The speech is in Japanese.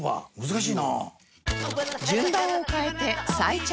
難しいな。